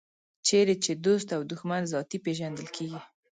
چېرې چې دوست او دښمن ذاتي پېژندل کېږي.